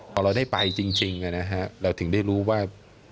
พอเราได้ไปจริงเราถึงได้รู้ว่า